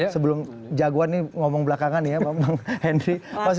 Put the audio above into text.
sebelum jagoan ini ngomong belakangan ya henry